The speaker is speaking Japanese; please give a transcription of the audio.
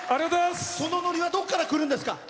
そのノリはどこからくるんですか？